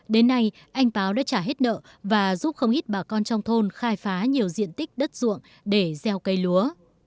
đến nay anh báo đã trả hết nợ và giúp không ít bà con trong thôn khai phá nhiều diện tích đất ruộng để gieo cây lúa